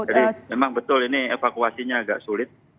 jadi memang betul ini evakuasinya agak sulit